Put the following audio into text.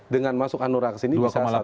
dengan masuk anura kesini